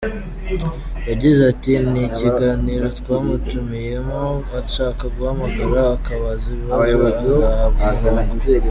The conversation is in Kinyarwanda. Yagize ati "Ni ikiganiro twamutumiyemo, ushaka guhamagara akabaza ibibazo azahabwa umurongo.